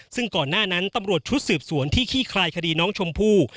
ซึ่งก่อนหน้านั้นตำรวจชุดสืบสวนที่ขี้คลายคดีน้องชมพู่